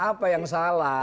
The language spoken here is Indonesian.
apa yang salah